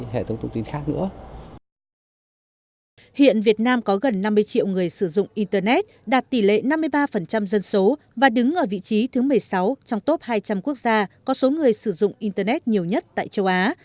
hiện việt nam có gần năm mươi triệu người sử dụng internet đạt tỷ lệ năm mươi ba dân số và đứng ở vị trí thứ một mươi sáu trong top hai trăm linh quốc gia có số người sử dụng internet nhiều nhất tại châu á